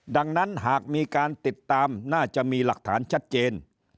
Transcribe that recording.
ดังนั้นหากมีการติดตามน่าจะมีหลักฐานชัดเจน